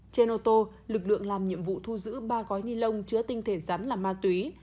trên ô tô lực lượng làm nhiệm vụ thu giữ ba gói ni lông chứa tinh thể rắn là ma túy